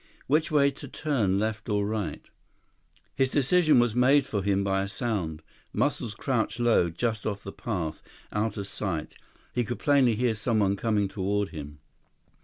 Which way to turn, left or right? His decision was made for him by a sound. Muscles crouched low, just off the path, out of sight. He could plainly hear someone coming toward him.